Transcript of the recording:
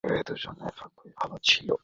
হয়তো দুজনের ভাগ্যই ভালো ছিল।